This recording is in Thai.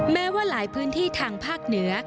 แม้ว่าหลายพื้นที่ทางภาคเหนือ